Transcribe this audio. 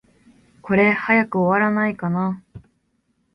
これ、早く終わらないかな。